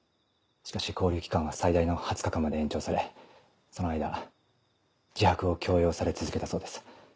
しかし勾留期間は最大の２０日間まで延長されその間自白を強要され続けたそうです。